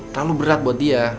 terlalu berat buat dia